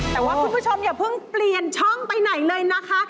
แต่ว่าคุณผู้ชมอย่าเพิ่งเปลี่ยนช่องไปไหนเลยนะคะ